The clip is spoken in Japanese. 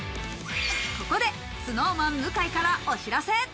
ここでＳｎｏｗＭａｎ・向井からお知らせ。